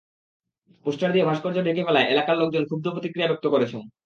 Poster দিয়ে ভাস্কর্য ঢেকে ফেলায় এলাকার লোকজন ক্ষুব্ধ প্রতিক্রিয়া ব্যক্ত করেছেন।